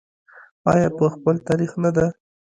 آیا په خپل تاریخ نه ده؟